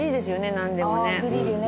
何でもね。